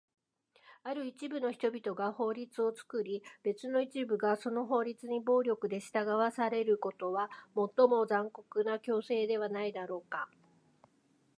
ある一部の人々が法律を作り、別の一部がその法律に暴力で従わされることは、最も残酷な強制ではないだろうか？